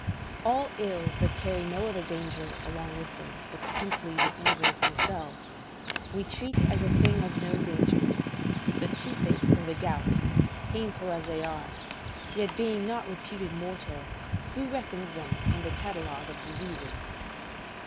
All ills that carry no other danger along with them but simply the evils themselves, we treat as things of no danger: the toothache or the gout, painful as they are, yet being not reputed mortal, who reckons them in the catalogue of diseases?